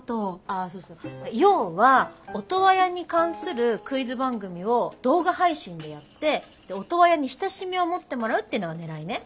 あそうそう要はオトワヤに関するクイズ番組を動画配信でやってオトワヤに親しみを持ってもらうっていうのがねらいね。